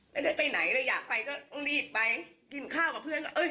แต่งแต่ยังไม่นะอยากไปจะรีดไปกินข้าวกับเพื่อน